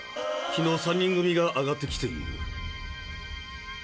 昨日３人組が挙がってきている。